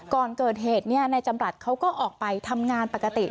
ก่อนเกิดเหตุนายจำรัฐเขาก็ออกไปทำงานปกติ